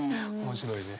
面白いね。